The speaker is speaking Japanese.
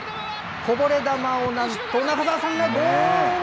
こぼれ球をなんと、中澤さんがゴール！